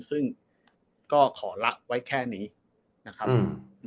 ซึ่งก็ขอละไว้แค่นี้นะครับ